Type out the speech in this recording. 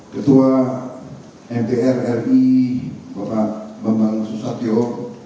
ketua mpr ri bapak bambang susatyo